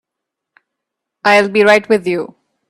I'll be right with you.